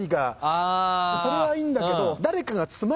それはいいんだけど。